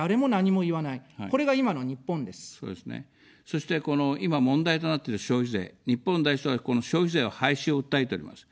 そして、この今、問題となってる消費税、日本第一党は、この消費税の廃止を訴えております。